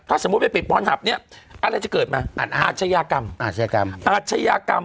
ถ้าสมมุติไปปิดปอนด์หับเนี่ยอะไรจะเกิดมาอาชญากรรม